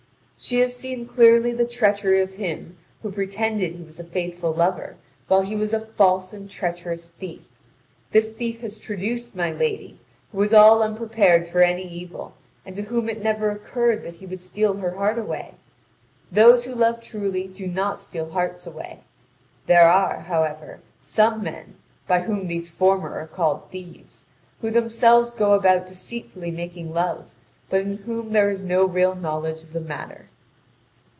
"She has seen clearly the treachery of him who pretended he was a faithful lover while he was a false and treacherous thief. This thief has traduced my lady, who was all unprepared for any evil, and to whom it never occurred that he would steal her heart away. Those who love truly do not steal hearts away; there are, however, some men, by whom these former are called thieves, who themselves go about deceitfully making love, but in whom there is no real knowledge of the matter.